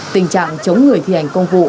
tình trạng chống người thi hành công vụ